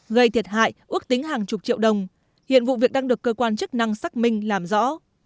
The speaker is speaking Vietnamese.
gây thiệt hại ước tính hàng chục triệu đồng hiện vụ việc đang được cơ quan chức năng xác minh làm rõ